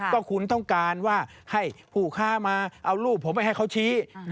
ก็คุณต้องการว่าให้ผู้ค้ามาเอารูปผมไปให้เขาชี้